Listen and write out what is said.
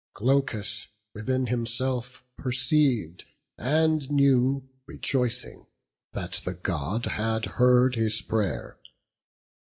Glaucus within himself perceiv'd, and knew, Rejoicing, that the God had heard his pray'r.